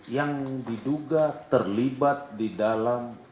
yang diduga terlibat di dalam